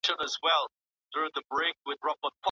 ارواپوهنه د نوښت ملاتړ کوي.